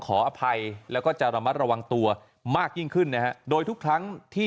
ขออภัยแล้วก็จะระมัดระวังตัวมากยิ่งขึ้นนะฮะโดยทุกครั้งที่